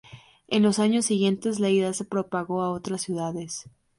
En los años siguientes la idea se propagó a otras ciudades.